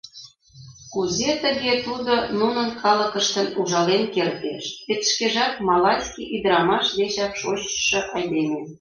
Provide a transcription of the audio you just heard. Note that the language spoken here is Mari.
Кузе тыге тудо нунын калыкыштын ужален кертеш, вет шкежат малайский ӱдырамаш дечак шочшо айдеме?..